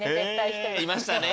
いましたね